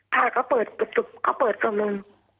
ถ้าเขาเปิดกระเป๋าตรงนึง